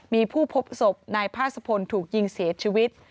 มีผู้พบศพนายพาศพลถูกยิงเสียชีวิต